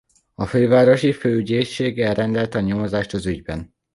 A Fővárosi Főügyészség elrendelte a nyomozást az ügyben.